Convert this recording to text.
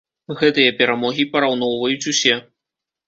Гэтыя перамогі параўноўваюць усе.